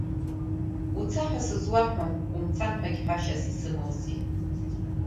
Уца ҳәа сызуаҳәом, умцан ҳәагьы ҳәашьас исымоузеи…